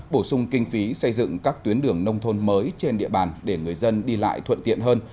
bổ sung kinh phí xây dựng các tuyến đường nông thôn mới trên địa bàn để người dân đi lại thuận tiện hơn